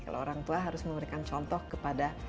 kalau orang tua harus memberikan contoh kepada orang tua